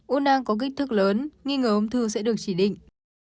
u năng có kích thước lớn nghi ngờ ông thư sẽ được chỉ định